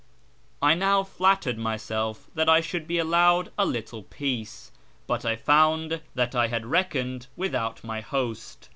I now flattered myself that I should be allowed a little peace, but I found that I had reckoned without my host.